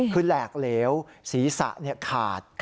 คือแหลกเหลวศีรษะขาด